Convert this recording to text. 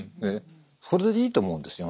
それでいいと思うんですよ